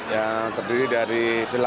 yang terdiri dari